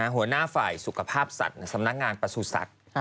หัวหน้าฝ่ายสุขภาพสัตว์สำนักงานประสุทธิ์สัตว์